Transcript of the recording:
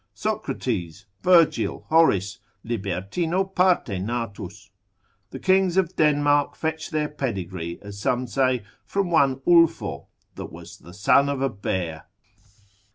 Socrates, Virgil, Horace, libertino parte natus. The kings of Denmark fetch their pedigree, as some say, from one Ulfo, that was the son of a bear.